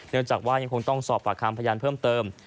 จากว่ายังคงต้องสอบปากคำพยานเพิ่มเติม